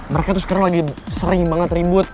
mereka tuh sekarang lagi sering banget ribut